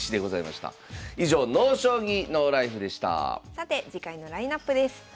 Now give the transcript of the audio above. さて次回のラインナップです。